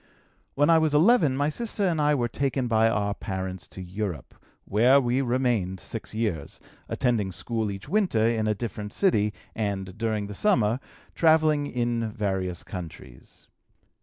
"When I was 11 my sister and I were taken by our parents to Europe, where we remained six years, attending school each winter in a different city and, during the summer, travelling in various countries.